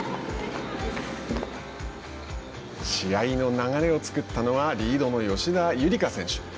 試合の流れを作ったのはリードの吉田夕梨花選手。